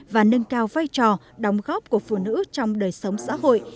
và nâng cao vai trò đóng góp của phụ nữ trong đời sống xã hội